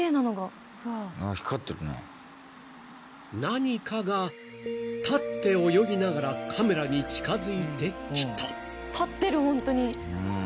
［何かが立って泳ぎながらカメラに近づいてきた］